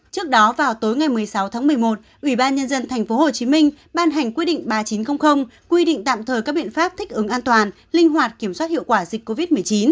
trước đó vào tối ngày một mươi sáu tháng một mươi một ubnd tp hcm ban hành quy định ba nghìn chín trăm linh quy định tạm thời các biện pháp thích ứng an toàn linh hoạt kiểm soát hiệu quả dịch covid một mươi chín